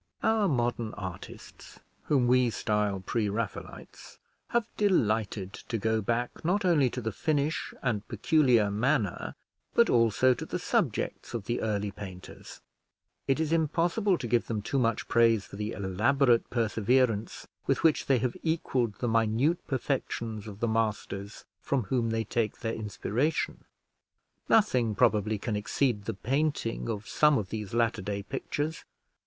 Our modern artists, whom we style Pre Raphaelites, have delighted to go back, not only to the finish and peculiar manner, but also to the subjects of the early painters. It is impossible to give them too much praise for the elaborate perseverance with which they have equalled the minute perfections of the masters from whom they take their inspiration: nothing probably can exceed the painting of some of these latter day pictures.